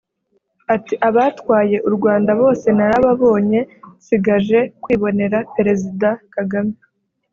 Ati “Abatwaye u Rwanda bose narababonye nsigaje kwibonera Perezida Kagame